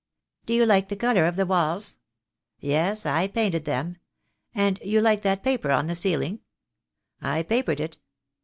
"Do you like the colour of the walls? Yes, I painted them. And you like that paper on the ceiling? I papered it.